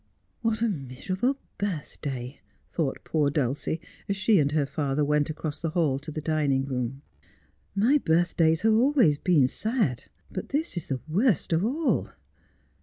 ' What a miserable birthday !' thought poor Dulcie, as she and her father went across the hall to the dining room. 'My birthdays have always been sad, but this is the worst of all.'